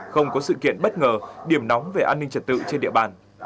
không có sự kiện bất ngờ điểm nóng về an ninh trật tự trên địa bàn